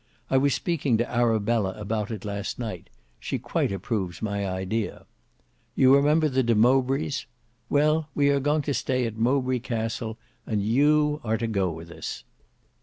I was speaking to Arabella about it last night; she quite approves my idea. You remember the De Mowbrays? Well, we are going to stay at Mowbray Castle, and you are to go with us.